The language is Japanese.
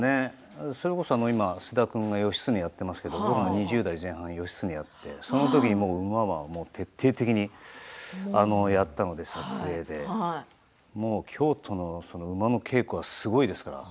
菅田君が義経をやっていますが２０代前半に義経をやってそのとき馬は徹底的にやったので撮影で京都の馬の稽古はすごいですから。